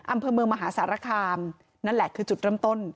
อำเภอเมืองมหาสารคามนั่นแหละคือจุดเริ่มต้น